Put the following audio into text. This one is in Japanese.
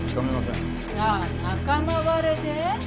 じゃあ仲間割れで？